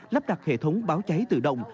lắp đặt hệ thống báo cháy tự động